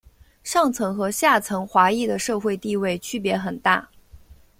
上层和下层华裔的社会地位区别很大。